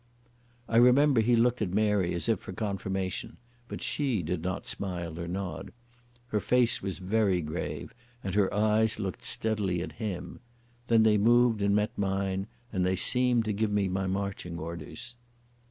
I remember he looked at Mary as if for confirmation, but she did not smile or nod. Her face was very grave and her eyes looked steadily at him. Then they moved and met mine, and they seemed to give me my marching orders.